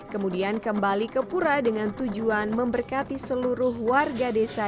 kemudian kembali ke pura dengan tujuan memberkati seluruh warga desa